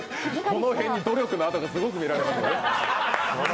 この辺に努力のあとがすごく見られます。